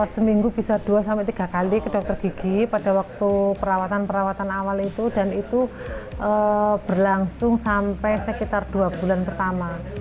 seminggu bisa dua tiga kali ke dokter gigi pada waktu perawatan perawatan awal itu dan itu berlangsung sampai sekitar dua bulan pertama